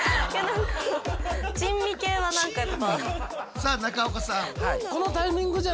さあ中岡さん。